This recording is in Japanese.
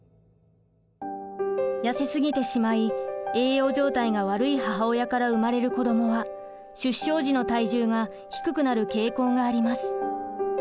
痩せすぎてしまい栄養状態が悪い母親から生まれる子供は出生時の体重が低くなる傾向があります。